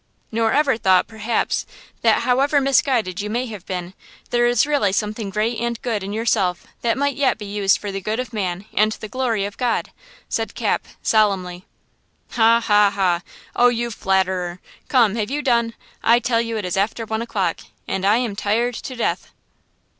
"Nor ever thought, perhaps, that however misguided you may have been, there is really something great and good in yourself that might yet be used for the good of man and the glory of God!" said Capitola, solemnly. "Ha, ha, ha! Oh, you flatterer! Come, have you done? I tell you it is after one o'clock, and I am tired to death!"